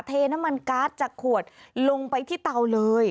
เทน้ำมันการ์ดจากขวดลงไปที่เตาเลย